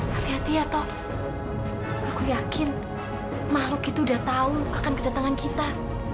hati hati ya toh aku yakin makhluk itu udah tahu akan kedatangan kita